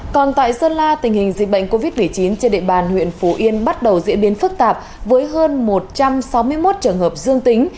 còn tại sơn la tình hình dịch bệnh covid một mươi chín trên địa bàn huyện phú yên bắt đầu diễn biến phức tạp với hơn một trăm sáu mươi một trường hợp dương tính